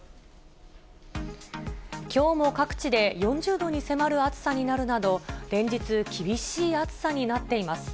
きょうも各地で４０度に迫る暑さになるなど、連日、厳しい暑さになっています。